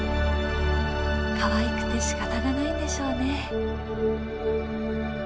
かわいくてしかたがないんでしょうね。